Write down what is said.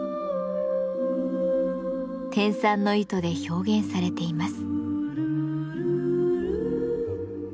天蚕の糸で表現されています。